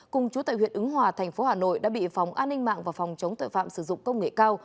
cùng chú tại huyện ứng hòa thành phố hà nội đã bị phòng an ninh mạng và phòng chống tội phạm sử dụng công nghệ cao